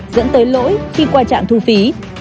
dẫn tới lỗi khi qua trạng thu phí